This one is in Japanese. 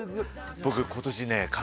僕今年ね。